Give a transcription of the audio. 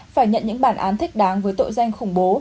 phải nhận những bản án thích đáng với tội danh khủng bố